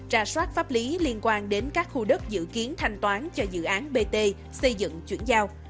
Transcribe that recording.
ra soát pháp lý liên quan đến các khu đất dự kiến thanh toán cho dự án bt xây dựng chuyển giao